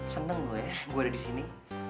seneng lu ya gua ada di sini